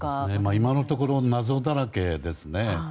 今のところ謎だらけですね。